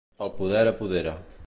El poder apodera.